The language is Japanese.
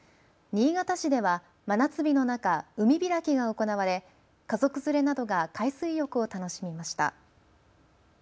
新潟市では真夏日の中、海開きが行われ家族連れなどが海水浴を楽しみました。